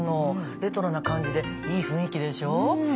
レトロな感じでいい雰囲気でしょ。